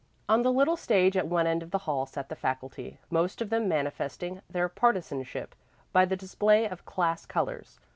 On the little stage at one end of the hall sat the faculty, most of them manifesting their partisanship by the display of class colors.